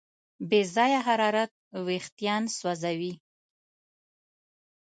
بې ځایه حرارت وېښتيان سوځوي.